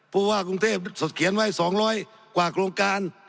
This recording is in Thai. ผู้ว่ากรุงเทพเขียนไว้๒๐๐กว่าโครงการ